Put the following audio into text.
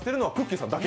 さんだけ。